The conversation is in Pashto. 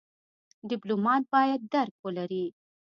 ډيپلومات بايد درک ولري.